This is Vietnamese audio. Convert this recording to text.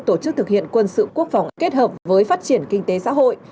tổ chức thực hiện quân sự quốc phòng kết hợp với phát triển kinh tế xã hội